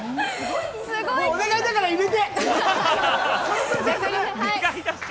お願いだから入れて！